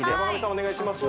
お願いします